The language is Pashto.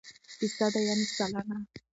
فیصده √ سلنه